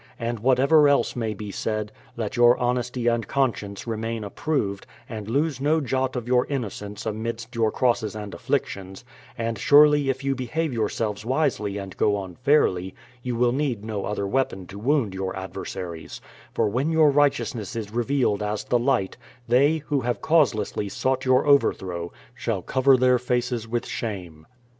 And whatever else may be said, let your honesty and con science remain approved, and lose no jot of your innocence amidst your crosses and afflictions; and surely if you behave yourselves wisely and go on fairly, j^ou will need no other weapon to wound your adversaries; for when j'our righteousness is revealed as the light, they, who have causelessly sought your overthrow, shall cover their faces with shame.